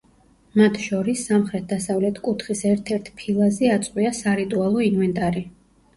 მათ შორის სამხრეთ-დასავლეთ კუთხის ერთ-ერთ ფილაზე აწყვია სარიტუალო ინვენტარი.